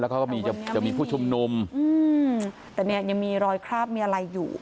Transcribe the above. แล้วก็มีจะมีผู้ชุมนุมอืมแต่เนี่ยยังมีรอยคราบมีอะไรอยู่